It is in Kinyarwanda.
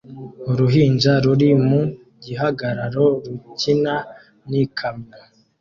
Uruhinja ruri mu gihagararo rukina n'ikamyo